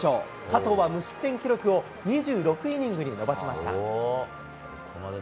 加藤は無失点記録を２６イニングに伸ばしました。